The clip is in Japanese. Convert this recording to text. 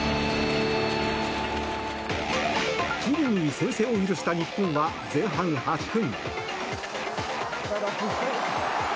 チリに先制を許した日本は前半８分。